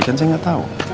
kan saya gak tau